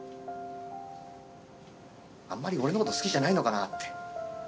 あんまり俺のこと好きじゃないのかなって。